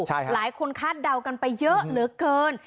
หลายคนคาดเดากันไปเยอะเหลือเกิน